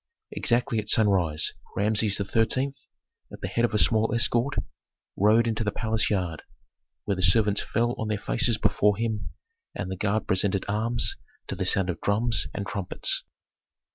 Exactly at sunrise Rameses XIII., at the head of a small escort, rode into the palace yard, where the servants fell on their faces before him, and the guard presented arms to the sound of drums and trumpets.